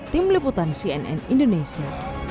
tim liputan cnn indonesia